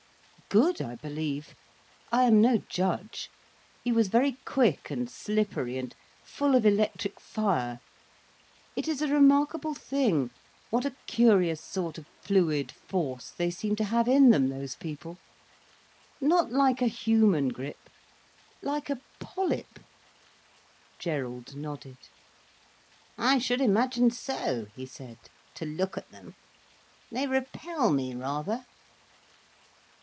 "Good, I believe. I am no judge. He was very quick and slippery and full of electric fire. It is a remarkable thing, what a curious sort of fluid force they seem to have in them, those people—not like a human grip—like a polyp—" Gerald nodded. "I should imagine so," he said, "to look at them. They repel me, rather."